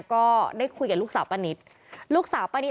ก็ได้คุยกับลูกสาวปะนิด